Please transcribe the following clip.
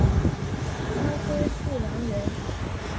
安徽阜阳人。